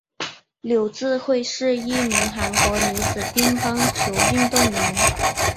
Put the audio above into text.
柳智惠是一名韩国女子乒乓球运动员。